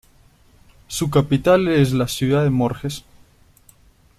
Su capital es la ciudad de Morges.